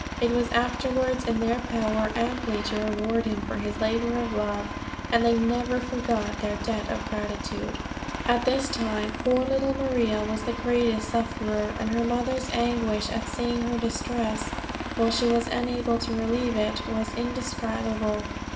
It was afterwards in their power amply to reward him for his labor of love, and they never forgot their debt of gratitude. At this time poor little Maria was the greatest sufferer, and her mother's anguish at seeing her distress while she was unable to relieve it, was indescribable.